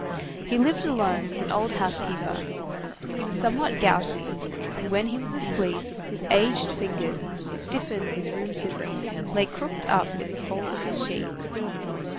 He lived alone with an old housekeeper. He was somewhat gouty, and when he was asleep, his aged fingers, stiffened with rheumatism, lay crooked up in the folds of his sheets.